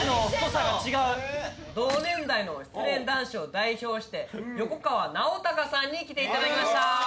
同年代の失恋男子を代表して横川尚隆さんに来て頂きました。